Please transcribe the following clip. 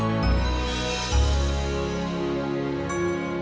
ines itu sesuatu apa